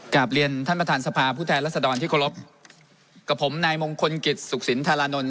กลับเรียนท่านประธานสภาผู้แทนรัศดรที่เคารพกับผมนายมงคลกิจสุขสินธารานนท